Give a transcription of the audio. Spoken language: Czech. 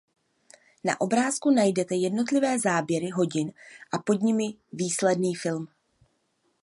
Na obrázku najdete jednotlivé záběry hodin a pod nimi výsledný film.